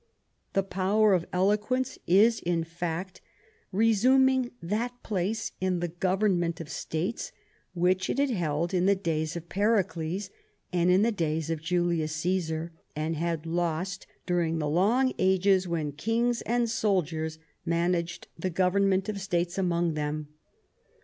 The power of eloquence is in fact resuming that place in the government of states which it had held in the days of Pericles and in the days of Julius CsBsar, and had lost during the long ages when kings and sol diers managed the government of states among them.